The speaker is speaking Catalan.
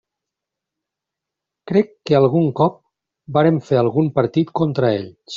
Crec que algun cop vàrem fer algun partit contra ells.